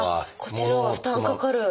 こっちのほうが負担かかる。